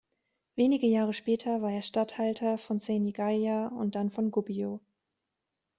Wenige Jahre später war er Statthalter von Senigallia und dann von Gubbio.